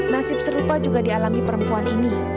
nasib serupa juga dialami perempuan ini